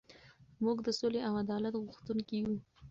موږ د سولې او عدالت غوښتونکي یو.